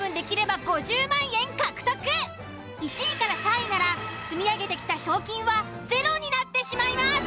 １位３位なら積み上げてきた賞金はゼロになってしまいます。